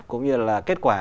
cũng như là kết quả